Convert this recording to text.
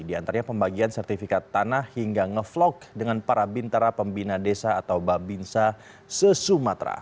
di antaranya pembagian sertifikat tanah hingga ngevlog dengan para bintara pembina desa atau babinsa se sumatera